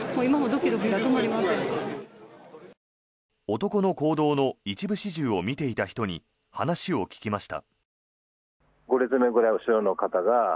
男の行動の一部始終を見ていた人に話を聞きました。